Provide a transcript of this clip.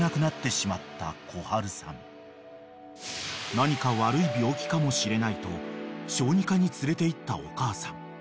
［何か悪い病気かもしれないと小児科に連れていったお母さん］